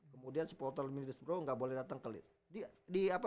kemudian supporter middlesbrough gak boleh datang ke leeds